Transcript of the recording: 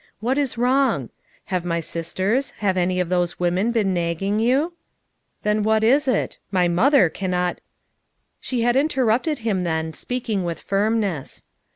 What is wrong? Have my sisters, have any of those women been nagging you? Then what is it? My mother cannot —*' She had interrupted him then, speaking with firmness.